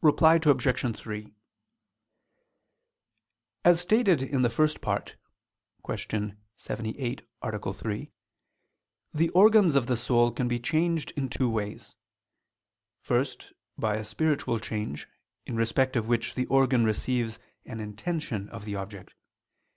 Reply Obj. 3: As stated in the First Part (Q. 78, A. 3) the organs of the soul can be changed in two ways. First, by a spiritual change, in respect of which the organ receives an "intention" of the object.